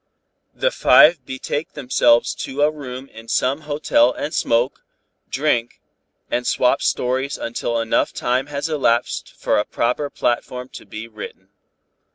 "The five betake themselves to a room in some hotel and smoke, drink and swap stories until enough time has elapsed for a proper platform to be written.